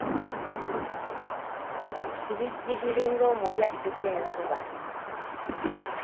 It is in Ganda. Kibijjigiri ng'omubi adduka enkuba.